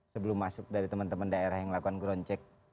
sebelum masuk dari teman teman daerah yang melakukan ground check